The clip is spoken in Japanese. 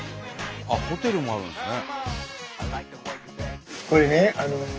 ホテルもあるんですね。